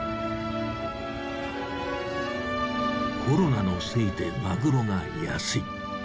コロナのせいでマグロが安い。